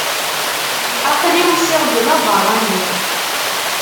Aql-i usiɣ-d d abeṛṛani.